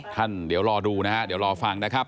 เดี๋ยวรอดูนะฮะเดี๋ยวรอฟังนะครับ